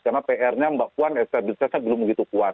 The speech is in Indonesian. karena pr nya mbak puan stabilitasnya belum begitu kuat